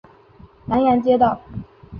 南阳街道